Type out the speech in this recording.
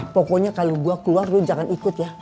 pokoknya kalau gue keluar lu jangan ikut ya